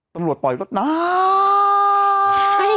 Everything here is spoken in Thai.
ตำรวจปล่อยรถน้ำ